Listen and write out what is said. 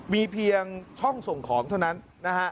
มีเพียงช่องส่งของเท่านั้นนะฮะ